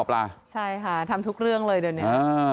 ปลาใช่ค่ะทำทุกเรื่องเลยเดี๋ยวนี้